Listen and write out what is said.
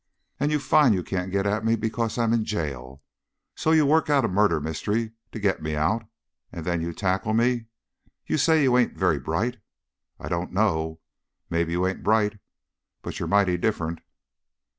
And you find you can't get at me because I'm in jail, so you work out a murder mystery to get me out, and then you tackle me. You say you ain't very bright. I dunno. Maybe you ain't bright, but you're mighty different!"